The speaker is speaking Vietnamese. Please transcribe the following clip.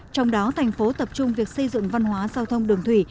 trong đó tp hcm tập trung việc xây dựng văn hóa giao thông đường thủy